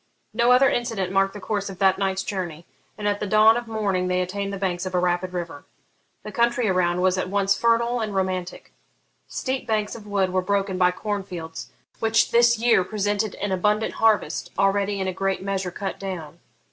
No other incident marked the course of that night's journey, and at the dawn of morning they attained the banks of a rapid river. The country around was at once fertile and romantic. Steep banks of wood were broken by corn fields, which this year presented an abundant harvest, already in a great measure cut down.